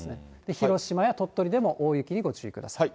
広島や鳥取でも大雪にご注意くだ